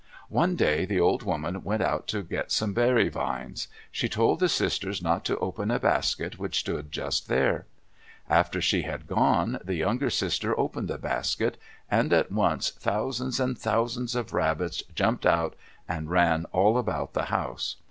One day the old woman went out to get some berry vines. She told the sisters not to open a basket which stood just there. After she had gone, the younger sister opened the basket, and at once thousands and thousands of rabbits jumped out and ran all about the house.